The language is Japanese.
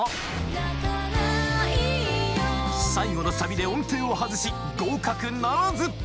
泣かないよ最後のサビで音程を外し合格ならず